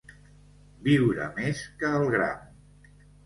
Viure més que el gram.